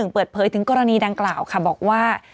เปิดเผยถึงกรณีดังกล่าวค่ะบอกว่า